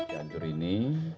jangan dur ini